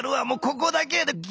もうここだけやで。